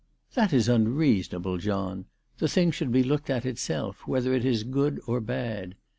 " That is unreasonable, John. The thing should be looked at itself, whether it is good or bad.